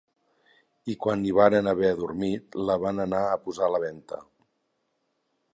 I quan hi varen haver dormit la van anar a posar a la venta.